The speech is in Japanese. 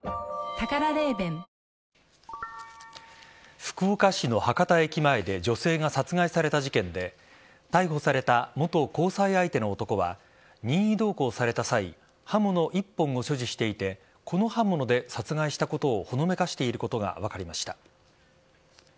福岡市の博多駅前で女性が殺害された事件で逮捕された元交際相手の男は任意同行された際刃物１本を所持していてこの刃物で殺害したことをほのめかしていることが分かりました。